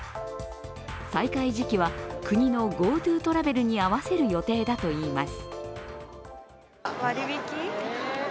再開時期は国のＧｏＴｏトラベルに合わせる予定だといいます。